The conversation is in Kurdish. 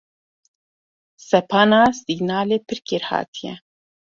Sepana Signalê pir kêrhatî ye.